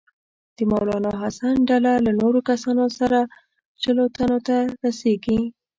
د مولنا حسن ډله له نورو کسانو سره شلو تنو ته رسیږي.